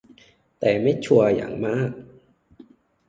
แต่ไม่ชัวร์อย่างมาก